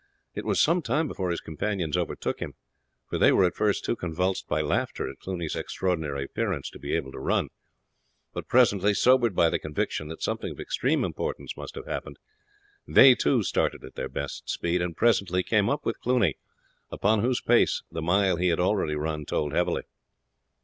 It was some time before his companions overtook him, for they were at first too convulsed by laughter at Cluny's extraordinary appearance to be able to run. But presently, sobered by the conviction that something of extreme importance must have happened, they too started at their best speed, and presently came up with Cluny, upon whose pace the mile he had already run told heavily.